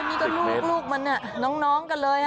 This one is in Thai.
โอ้โฮนี่ก็ลูกมันเนี่ยน้องกันเลยอ่ะ